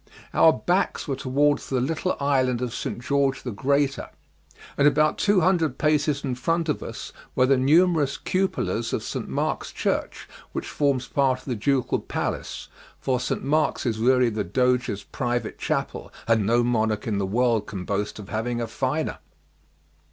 Our backs were towards the little island of St. George the Greater, and about two hundred paces in front of us were the numerous cupolas of St. Mark's Church, which forms part of the ducal palace, for St. Mark's is really the Doge's private chapel, and no monarch in the world can boast of having a finer.